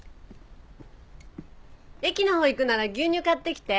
駅のほうへ行くなら牛乳買って来て。